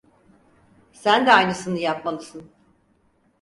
Sen de aynısını yapmalısın.